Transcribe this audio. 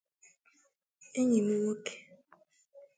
enyimnwoke